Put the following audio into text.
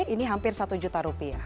ini hampir rp satu juta